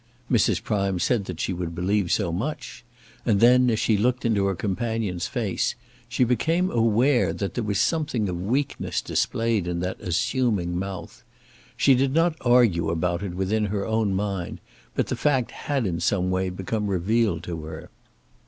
Mrs. Prime said that she would believe so much; and then as she looked into her companion's face, she became aware that there was something of weakness displayed in that assuming mouth. She did not argue about it within her own mind, but the fact had in some way become revealed to her.